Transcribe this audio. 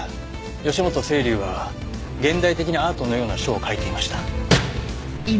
義本青流は現代的なアートのような書を書いていました。